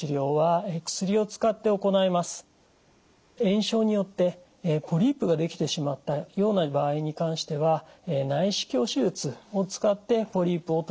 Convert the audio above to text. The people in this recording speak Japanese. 炎症によってポリープが出来てしまったような場合に関しては内視鏡手術を使ってポリープを取り除くこともできます。